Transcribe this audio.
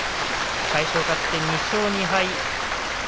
魁勝勝って２勝２敗。